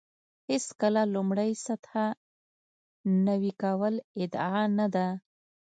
هېڅکله لومړۍ سطح نوي کول ادعا نه ده.